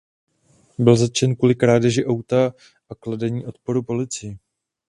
Byl zatčen kvůli krádeži auta a kladení odporu policii.